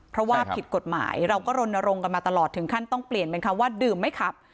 เพราะว่าผิดกฎหมายเราก็รณรงค์กันมาตลอดถึงขั้นต้องเปลี่ยนเป็นคำว่าดื่มไม่ขับ